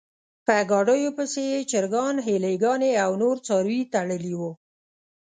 په ګاډیو پسې یې چرګان، هیلۍ ګانې او نور څاروي تړلي و.